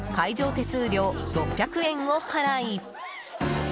手数料６００円を払い